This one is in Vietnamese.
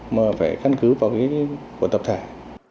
mà phải căn cứ vào cái của tập thải